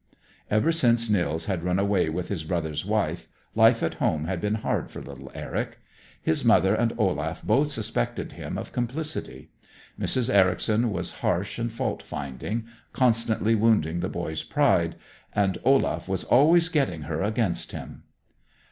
Ever since Nils had run away with his brother's wife, life at home had been hard for little Eric. His mother and Olaf both suspected him of complicity. Mrs. Ericson was harsh and fault finding, constantly wounding the boy's pride; and Olaf was always getting her against him.